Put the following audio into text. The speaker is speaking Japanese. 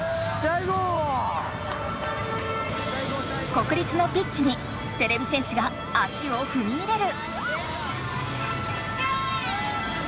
国立のピッチにてれび戦士が足をふみ入れる！